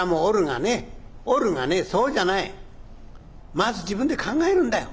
まず自分で考えるんだよ。